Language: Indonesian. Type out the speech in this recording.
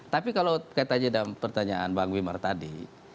tapi kalau kaitan aja dengan pertanyaan bang wimar tadi